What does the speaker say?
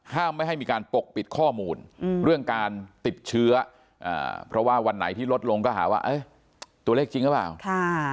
ไม่ให้มีการปกปิดข้อมูลเรื่องการติดเชื้อเพราะว่าวันไหนที่ลดลงก็หาว่าตัวเลขจริงหรือเปล่า